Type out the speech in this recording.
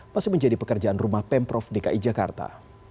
masih menjadi pekerjaan rumah pemprov dki jakarta